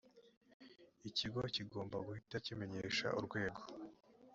ikigo kigomba guhita kimenyesha urwego